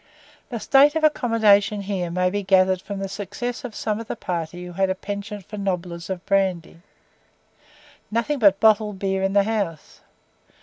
The state of accommodation here may be gathered from the success of some of the party who had a PENCHANT for "nobblers" of brandy. "Nothing but bottled beer in the house."